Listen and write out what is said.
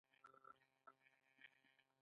دا د افغانستان په څېر هېوادونو لپاره هم دی.